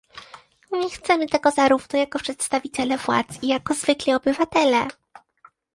Nie chcemy tego zarówno jako przedstawiciele władz, jak i jako zwykli obywatele